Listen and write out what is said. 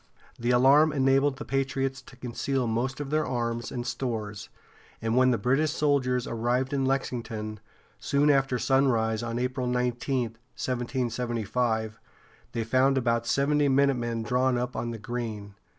The alarm enabled the patriots to conceal most of their arms and stores, and when the British soldiers arrived in Lexington, soon after sunrise on April 19, 1775, they found about seventy minutemen drawn up on the green.